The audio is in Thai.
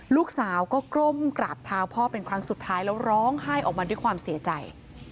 ลูกสาวก็ก้มกราบเท้าพ่อเป็นครั้งสุดท้ายแล้วร้องไห้ออกมาด้วยความเสียใจ